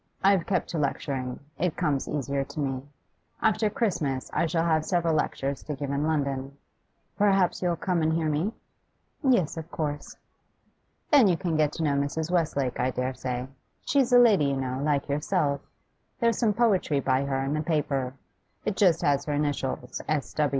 I've kept to lecturing; it comes easier to me. After Christmas I shall have several lectures to give in London. Perhaps you'll come and hear me?' 'Yes, of course.' 'Then you can get to know Mrs. Westlake, I dare say. She's a lady, you know, like yourself. There's some poetry by her in the paper; it just has her initials, "S.